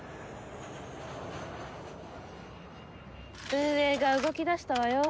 運営が動きだしたわよ。